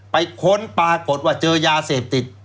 ค้นปรากฏว่าเจอยาเสพติด